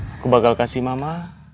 aku bakal kasih mama